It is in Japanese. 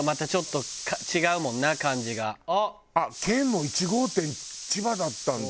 けんも１号店千葉だったんだ。